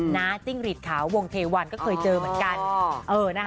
จิ้งหลีดขาววงเทวันก็เคยเจอเหมือนกัน